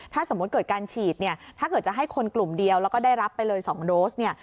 ถ้าสมมุติเกิดการฉีดเนี่ยถ้าเกิดจะให้คนกลุ่มเดียวแล้วก็ได้รับไปเลย๒โดสเนี่ย